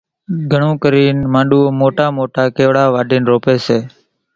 گھڻون ڪرينَ مانڏوئو موٽا موٽا ڪيوڙا واڍينَ روپيَ سي۔